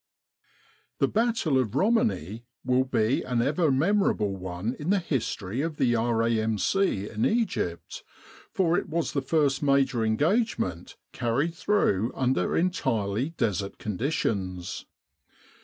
The battle of Romani will be an ever memorable one in the history of the R.A.M.C. in Egypt, for it was the first major engagement carried through under entirely Desert conditions.